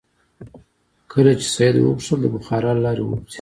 کله چې سید وغوښتل د بخارا له لارې ووځي.